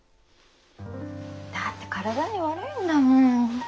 だって体に悪いんだもん。